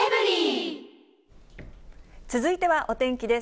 続いてはお天気です。